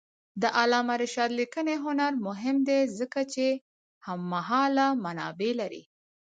د علامه رشاد لیکنی هنر مهم دی ځکه چې هممهاله منابع لري.